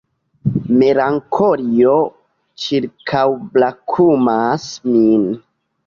Melankolio ĉirkaŭbrakumas min.